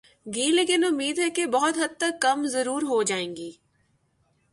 گی لیکن امید ہے کہ بہت حد تک کم ضرور ہو جائیں گی۔